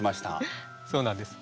そうなんです。